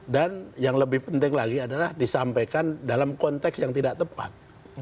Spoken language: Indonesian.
yang lebih penting lagi adalah disampaikan dalam konteks yang tidak tepat